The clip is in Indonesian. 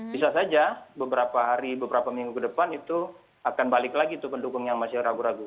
bisa saja beberapa hari beberapa minggu ke depan itu akan balik lagi tuh pendukung yang masih ragu ragu